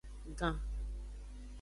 Gan.